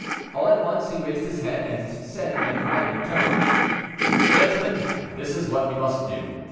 All at once he raised his head, and said in a commanding tone: "Gentlemen, this is what we must do.